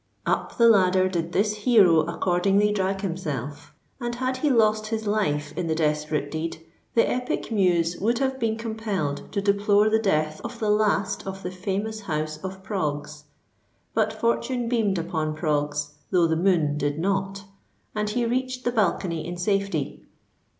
Up the ladder did this hero accordingly drag himself; and had he lost his life in the desperate deed, the epic muse would have been compelled to deplore the death of the last of the famous house of Proggs. But fortune beamed upon Proggs, though the moon did not; and he reached the balcony in safety.